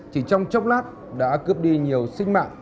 chỉ trong chốc lát đã cướp đi nhiều sinh mạng